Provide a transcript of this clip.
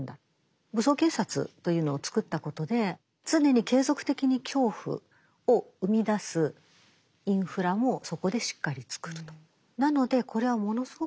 武装警察というのを作ったことで常に継続的に恐怖を生みだすインフラもそこでしっかり作ると。